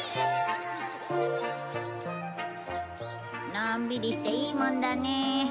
のんびりしていいもんだね。